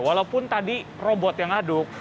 walaupun tadi robot yang aduk